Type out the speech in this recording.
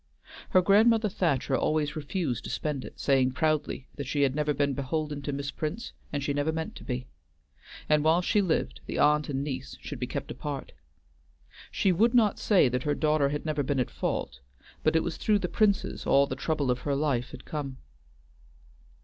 Her grandmother Thacher always refused to spend it, saying proudly that she had never been beholden to Miss Prince and she never meant to be, and while she lived the aunt and niece should be kept apart. She would not say that her daughter had never been at fault, but it was through the Princes all the trouble of her life had come.